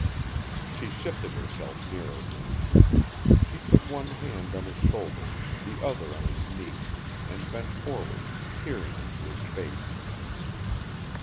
She shifted herself nearer him. She put one hand on his shoulder, the other on his knee, and bent forward, peering into his face.